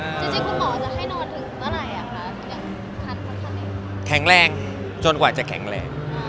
จริงคุณหมอจะให้นอนถึงเมื่อไหร่อ่ะคะอย่างแข็งแรงจนกว่าจะแข็งแรง